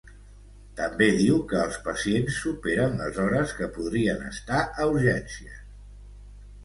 També diu que els pacients superen les hores que podrien estar a urgències.